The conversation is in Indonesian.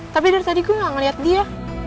tapi dari tadi gue gak ngeliat dia